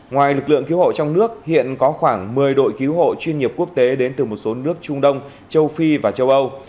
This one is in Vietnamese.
ngoài lực lượng cứu hộ trong nước hiện có khoảng một mươi đội cứu hộ chuyên nghiệp quốc tế đến từ một số nước trung đông châu phi và châu âu